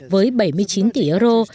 với bảy mươi chín tỷ euro